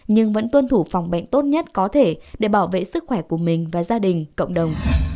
nhưng vẫn tuân thủ phòng bệnh tốt nhất có thể để bảo vệ sức khỏe của mình và gia đình cộng đồng